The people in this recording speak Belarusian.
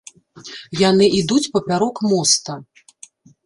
Яны ідуць папярок моста.